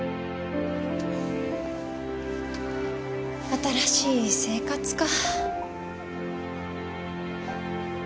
新しい生活か。